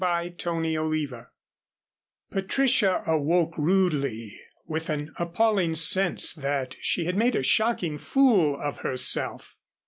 CHAPTER XVI Patricia awoke rudely and with an appalling sense that she had made a shocking fool of herself.